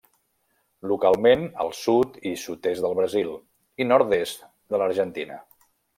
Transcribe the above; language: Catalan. Localment al sud i sud-est de Brasil i nord-est de l'Argentina.